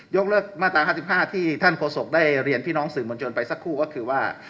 กเลิกมาตรา๕๕ที่ท่านโฆษกได้เรียนพี่น้องสื่อมวลชนไปสักครู่ก็คือว่า